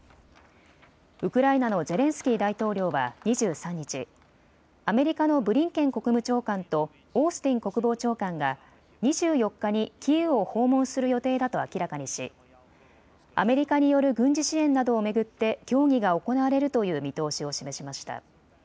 ウクライナのゼレンスキー大統領は２３日、アメリカのブリンケン国務長官とオースティン国防長官が２４日にキーウを訪問する予定だと明らかにしアメリカによる軍事支援などを巡って協議が行われるという見通しを示しました。